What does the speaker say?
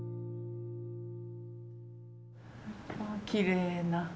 きれいな。